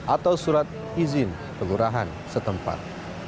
atau surat izin kelurahan setempat